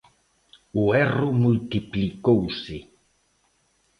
O erro multiplicouse.